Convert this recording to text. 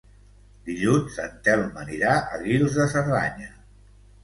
Dilluns en Telm anirà a Guils de Cerdanya.